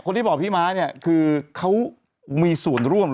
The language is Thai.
ที่บอกพี่ม้าเนี่ยคือเขามีส่วนร่วม